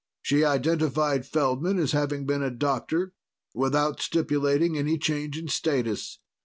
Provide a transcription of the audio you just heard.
She identified Feldman as having been a doctor, without stipulating any change in status.